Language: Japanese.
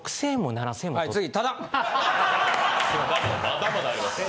まだまだありますよね。